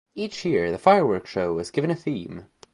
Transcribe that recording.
Each year, the fireworks show is given a theme.